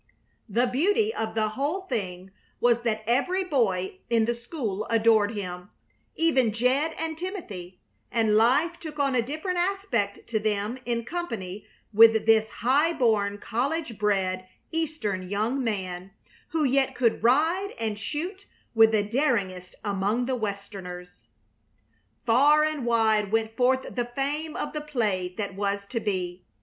The beauty of the whole thing was that every boy in the school adored him, even Jed and Timothy, and life took on a different aspect to them in company with this high born college bred, Eastern young man who yet could ride and shoot with the daringest among the Westerners. Far and wide went forth the fame of the play that was to be.